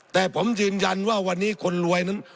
แต่ผมยืนยันว่าวันนี้คนรวยนั้น